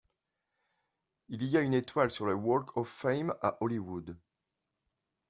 Il a une étoile sur le Walk of Fame à Hollywood.